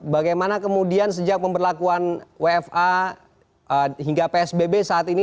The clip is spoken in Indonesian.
bagaimana kemudian sejak pemberlakuan wfa hingga psbb saat ini